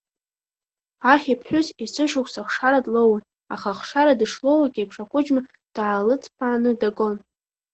Аҳ иԥҳәыс есышықәса хшара длоуан, аха хшара дышлоулакь еиԥш ақәыџьма даалыҵԥааны дагон.